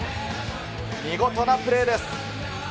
見事なプレーです。